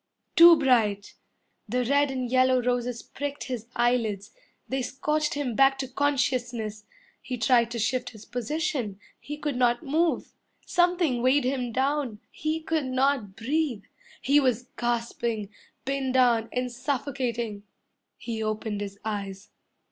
Too bright! The red and yellow roses pricked his eyelids, They scorched him back to consciousness. He tried to shift his position; He could not move. Something weighed him down, He could not breathe. He was gasping, Pinned down and suffocating. He opened his eyes.